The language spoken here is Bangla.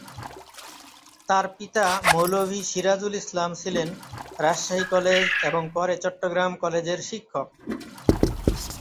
তার পিতা মৌলভী সিরাজুল ইসলাম ছিলেন রাজশাহী কলেজ এবং পরে চট্টগ্রাম কলেজের শিক্ষক।